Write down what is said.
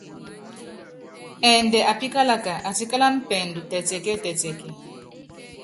Ɛɛndɛ apíkálaka, atíkálána pɛɛdu tɛtiɛkíɛtɛtiɛkiɛ.